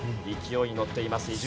勢いに乗っています